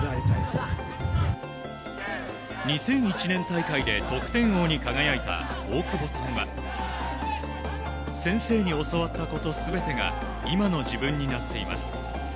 ２００１年大会で得点王に輝いた大久保さんは先生に教わったこと全てが今の自分になっています。